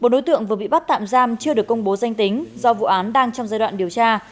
bốn đối tượng vừa bị bắt tạm giam chưa được công bố danh tính do vụ án đang trong giai đoạn điều tra